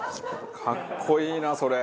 かっこいいなそれ。